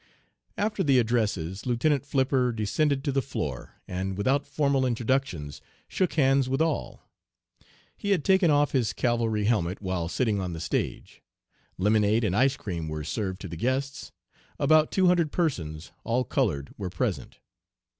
"After the addresses Lieutenant Flipper descended to the floor, and without formal introductions shook hands with all. He had taken off his cavalry helmet while sitting on the stage. Lemonade and ice cream were served to the guests. About two hundred persons, all colored, were present.